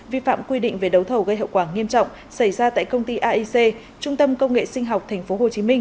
vi phạm quy định về đấu thầu gây hậu quả nghiêm trọng xảy ra tại công ty aic trung tâm công nghệ sinh học tp hcm